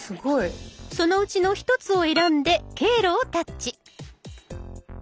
そのうちの１つを選んで「経路」をタッチ。